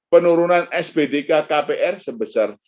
penurunan sbdk kpr sebesar dua ratus dua puluh delapan